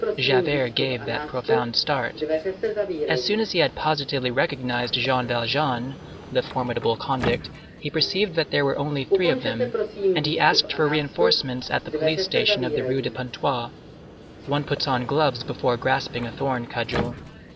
Javert gave that profound start. As soon as he had positively recognized Jean Valjean, the formidable convict, he perceived that there were only three of them, and he asked for reinforcements at the police station of the Rue de Pontoise. One puts on gloves before grasping a thorn cudgel.